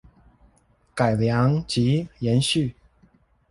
改良及延續